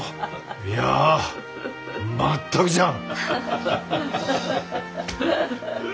いや全くじゃん。